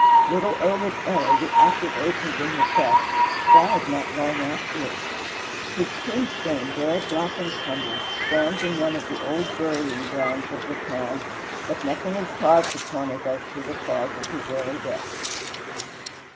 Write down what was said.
Little Obed Ely, the active agent in the theft, died not long after it. His tombstone, very black and crumbled, stands in one of the old burying grounds of the town, but nothing is carved upon it as to the cause of his early death.